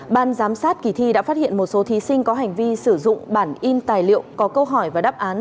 ban giám sát kỳ thi đã phát hiện một số thí sinh có hành vi sử dụng bản in tài liệu có câu hỏi và đáp án